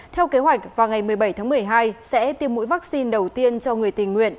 theo kế hoạch vào ngày một mươi bảy tháng một mươi hai sẽ tiêm mũi vaccine đầu tiên cho người tình nguyện